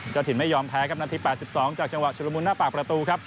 เจ้าถิ่นไม่ยอมแพ้ครับนาที๘๒จากจังหวะชุดละมุนหน้าปากประตูครับ